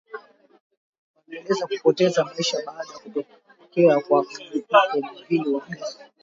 wanaeleza kupoteza maisha baada ya kutokea kwa mlipuko mwingine wa gesi